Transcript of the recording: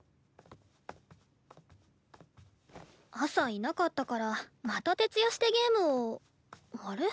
朝いなかったからまた徹夜してゲームをあれ？